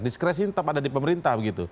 diskresi tetap ada di pemerintah begitu